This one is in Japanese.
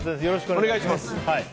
よろしくお願いします。